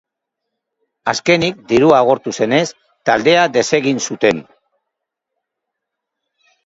Azkenik, dirua agortu zenez, taldea desegin zuten.